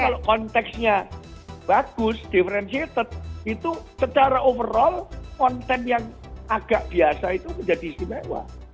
kalau konteksnya bagus differentiated itu secara overall konten yang agak biasa itu menjadi istimewa